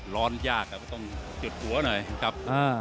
ร้อนยากก็ต้องจุดหัวหน่อยครับ